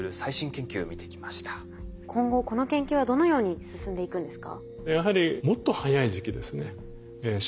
今後この研究はどのように進んでいくんですか？